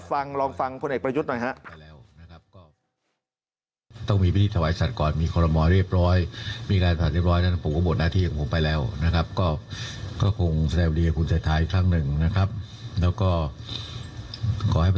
ฟังลองฟังคุณเอกประยุทธ์หน่อยฮะ